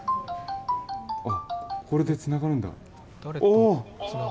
おっ、これでつながるんだ。